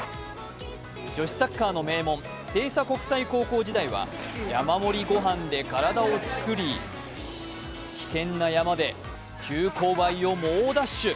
女子サッカーの名門、星槎国際高校時代は山盛りご飯で体を作り、危険な山で急勾配を猛ダッシュ。